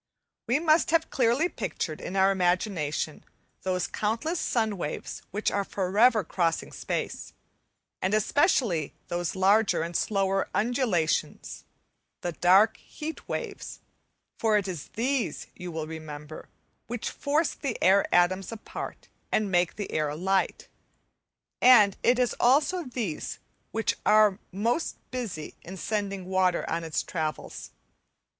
We must have clearly pictured in our imagination those countless sun waves which are for ever crossing space, and especially those larger and slower undulations, the dark heat waves; for it is these, you will remember, which force the air atoms apart and make the air light, and it is also these which are most busy in sending water on its travels.